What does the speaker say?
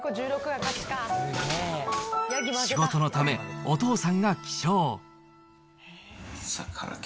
仕事のため、お父さんが起床。